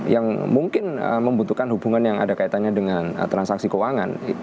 yang mungkin membutuhkan hubungan yang ada kaitannya dengan transaksi keuangan